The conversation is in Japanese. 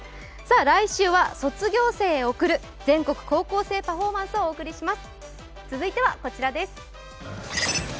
来週は卒業生へ贈る全国高校生パフォーマンスをお送りします。